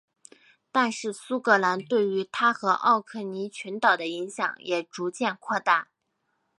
但是苏格兰对于它和奥克尼群岛的影响也逐渐扩大。